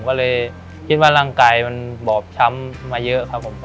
ก็เลยคิดว่าร่างกายมันบอบช้ำมาเยอะครับผม